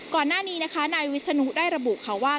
ก่อนหน้านี้นะคะนายวิศนุได้ระบุค่ะว่า